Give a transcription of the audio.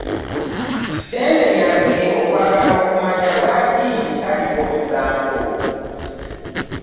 Ddembe lyange okwagala okumanya lwaki nsalirwa omusango?